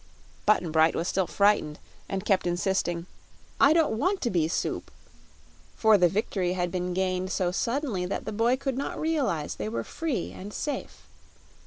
Button Bright was still frightened and kept insisting, "I don't want to be soup!" for the victory had been gained so suddenly that the boy could not realize they were free and safe.